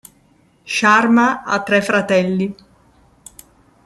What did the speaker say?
Sharma ha tre fratelli.